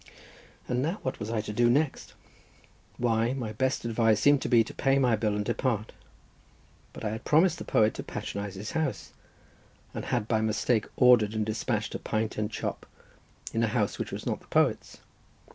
And now what was I to do next? Why, my best advice seemed to be to pay my bill and depart. But I had promised the poet to patronise his house, and had by mistake ordered and despatched a pint and chop in a house which was not the poet's.